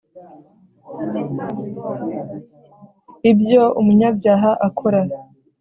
ibyo umunyabyaha akora